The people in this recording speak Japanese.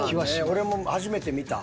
俺も初めて見た。